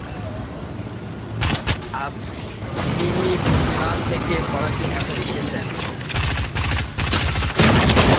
তিনি কোথা থেকে ফরাসি ভাষা শিখেছেন।